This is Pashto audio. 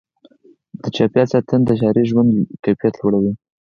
د چاپېریال ساتنه د ښاري ژوند کیفیت لوړوي.